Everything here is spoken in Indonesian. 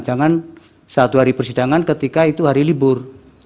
jangan satu hari persidangan ketika itu hari libur